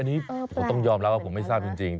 อันนี้ผมต้องยอมรับว่าผมไม่ทราบจริง